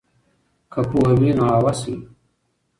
که پوهه وي نو هوس وي.